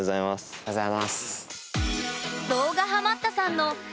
おはようございます。